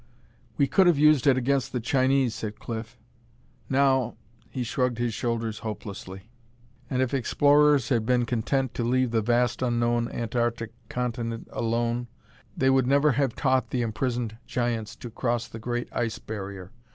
"We could have used it against the Chinese," said Cliff. "Now " He shrugged his shoulders hopelessly. And if explorers had been content to leave the vast unknown Antarctic Continent alone, they would never have taught the imprisoned Giants to cross the great ice barrier.